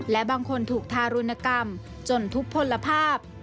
และบางคนถูกทารุณกรรมจนทุกผลภาพ